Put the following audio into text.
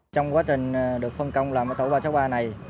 trong quá trình được phân công làm ở tổ ba trăm sáu mươi ba này